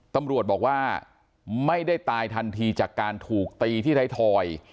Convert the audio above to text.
ตำรวจบอกว่าไม่ได้ตายทันทีจากการถูกตีที่ไทยทอย